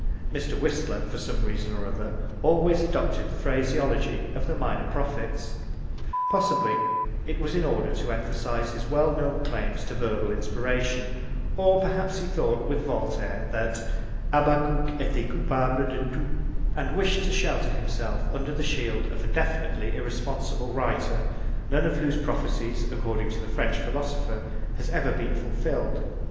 Mr. Whistler, for some reason or other, always adopted the phraseology of the minor prophets. Possibly it was in order to emphasise his well known claims to verbal inspiration, or perhaps he thought with Voltaire that Habakkuk etait capable de tout, and wished to shelter himself under the shield of a definitely irresponsible writer none of whose prophecies, according to the French philosopher, has ever been fulfilled.